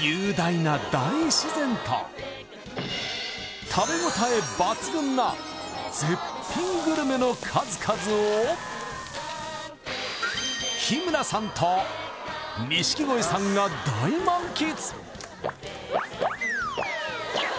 雄大な食べ応え抜群な絶品グルメの数々を日村さんと錦鯉さんが大満喫！